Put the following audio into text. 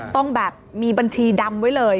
ต้องแบบมีบัญชีดำไว้เลย